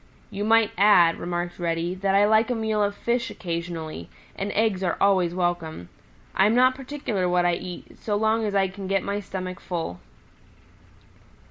"You might add," remarked Reddy, "that I like a meal of fish occasionally, and eggs are always welcome. I am not particular what I eat so long as I can get my stomach full."